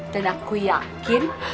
dan aku yakin